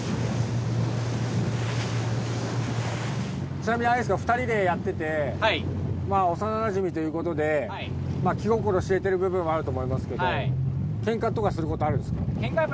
ちなみに２人でやってて幼馴染みということで気心知れてる部分はあると思いますけどケンカとかすることあるんですか？